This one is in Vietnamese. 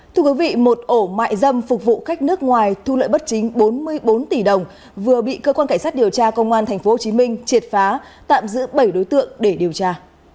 thưa quý vị một ổ mại dâm phục vụ khách nước ngoài thu lợi bất chính bốn mươi bốn tỷ đồng vừa bị cơ quan cảnh sát điều tra công an tp hcm triệt phá tạm giữ bảy đối tượng để điều tra